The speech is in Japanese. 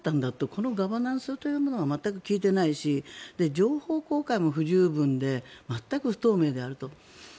このガバナンスというものが全く効いてないし情報公開も不十分で全く不透明であると。